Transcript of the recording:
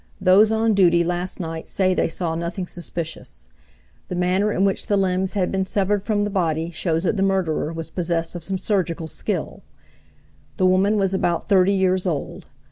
Those on duty last night say they saw nothing suspicious. The manner in which the limbs had been severed from the body shows that the murderer was possessed of some surgical skill. The woman was about thirty years old.